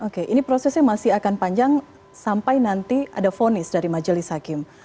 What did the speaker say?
oke ini prosesnya masih akan panjang sampai nanti ada fonis dari majelis hakim